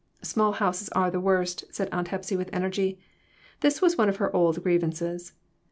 " Small houses are the worst," said Aunt Hepsy with energy. This was one of her old grievances.